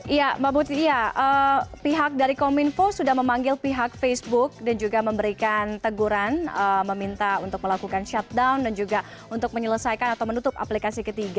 iya mbak putih ya pihak dari kominfo sudah memanggil pihak facebook dan juga memberikan teguran meminta untuk melakukan shutdown dan juga untuk menyelesaikan atau menutup aplikasi ketiga